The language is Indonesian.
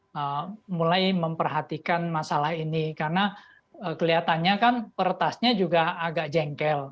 saya mulai memperhatikan masalah ini karena kelihatannya kan pertasnya juga agak jengkel